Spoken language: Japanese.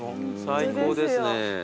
最高ですね。